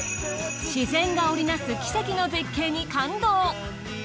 自然が織りなす奇跡の絶景に感動。